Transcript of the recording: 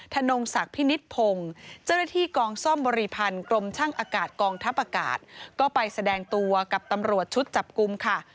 นงศักดิ์พินิษฐพงศ์เจ้าหน้าที่กองซ่อมบริพันธ์กรมช่างอากาศกองทัพอากาศก็ไปแสดงตัวกับตำรวจชุดจับกลุ่มค่ะ